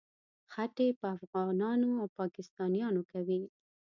خټې په افغانانو او پاکستانیانو کوي.